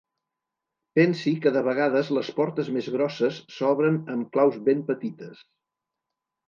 Pensi que de vegades les portes més grosses s'obren amb claus ben petites.